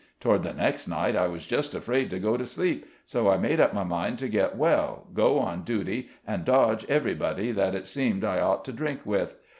Toward the next night I was just afraid to go to sleep; so I made up my mind to get well, go on duty, and dodge everybody that it seemed I ought to drink with.